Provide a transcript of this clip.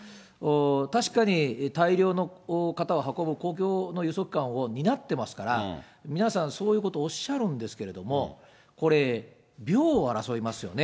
確かに大量の方を運ぶ公共の輸送機関を担ってますから、皆さん、そういうことをおっしゃるんですけれども、これ、秒を争いますよね。